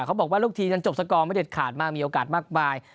เขาบอกว่าลูกทีมยังจบสกอร์ไม่เด็ดขาดมากมีโอกาสมากมาย